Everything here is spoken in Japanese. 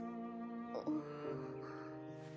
あっ。